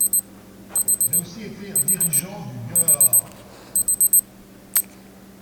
Il a aussi été un dirigeant du Høyre.